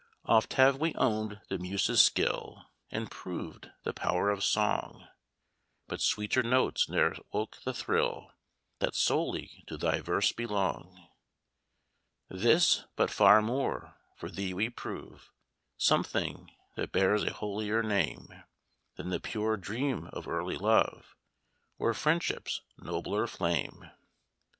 "Oft have we own'd the muses' skill, And proved the power of song, But sweeter notes ne'er woke the thrill That solely to thy verse belong. "This but far more, for thee we prove, Something that bears a holier name, Than the pure dream of early love, Or friendship's nobler flame.